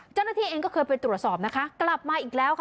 เจ้าหน้าที่เองก็เคยไปตรวจสอบนะคะกลับมาอีกแล้วค่ะ